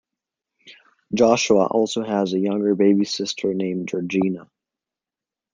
Joshua also has a younger baby sister named Georgina.